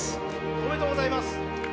おめでとうございます。